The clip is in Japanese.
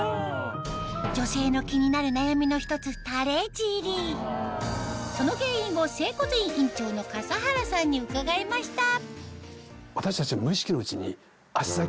女性の気になる悩みの１つその原因を整骨院院長の笠原さんに伺いました